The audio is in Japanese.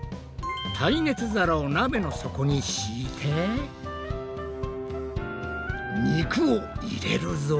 耐熱皿を鍋の底に敷いて肉を入れるぞ。